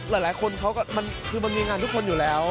หลายคนเขามันคือมันมีงานทุกคนอยู่แล้ว